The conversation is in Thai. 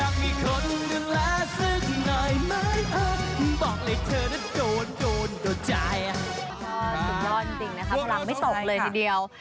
สุดยอดจริงนะครับพลังไม่ตกเลยทีเดียว